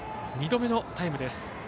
２度目のタイムです。